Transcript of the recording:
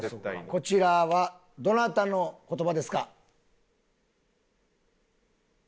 こちらはどなたの言葉ですか？